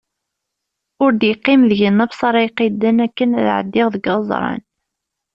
Ur d-yeqqim deg-i nnefs ara iqiden akken ad ɛeddiɣ deg iɣeẓṛan.